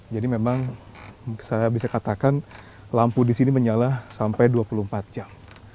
jadi memang saya bisa katakan lampu di sini menyala sampai dua puluh empat jam